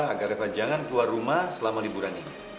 agar jangan keluar rumah selama liburan ini